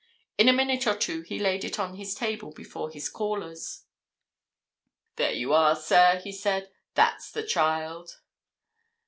In a minute or two he laid it on his table before his callers. "There you are, sir," he said. "That's the child!"